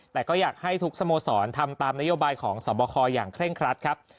แต่ก็อยากให้ทุกสโมสรทำตามนโยบายของสวบคอย่างเคร่งครัดครับ